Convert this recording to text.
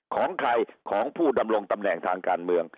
ของใครของผู้ดำรงตำแหน่งทางการเมือง